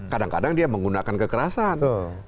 kadang kadang dia menggunakan kekerasan